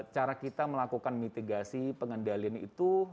cara kita melakukan mitigasi pengendalian itu